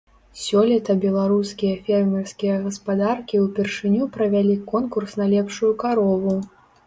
Сёлета беларускія фермерскія гаспадаркі ўпершыню правялі конкурс на лепшую карову.